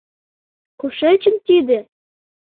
«Кушечын тиде?